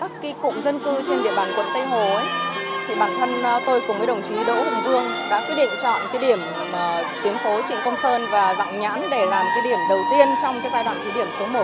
khảo sát cái một mươi bảy km phòng hồ cũng như là các cái cụm dân cư trên địa bàn quận tây hồ ấy thì bản thân tôi cùng với đồng chí đỗ hùng vương đã quyết định chọn cái điểm tuyến phố trịnh công sơn và dạng nhãn để làm cái điểm đầu tiên trong cái giai đoạn thứ điểm số một